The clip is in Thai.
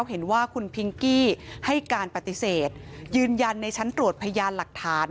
เห็นว่าคุณพิงกี้ให้การปฏิเสธยืนยันในชั้นตรวจพยานหลักฐาน